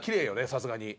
さすがに。